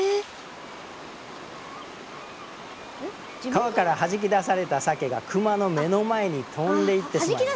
川からはじき出されたサケがクマの目の前に跳んでいってしまいます。